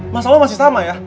masalah masih sama ya